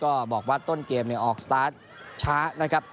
ก็บอกว่าต้นเกมออกสตาร์ทช้านะครับ